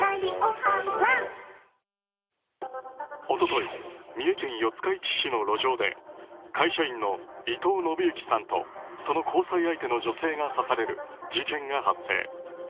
一昨日三重県四日市市の路上で会社員の伊藤信幸さんとその交際相手の女性が刺される事件が発生。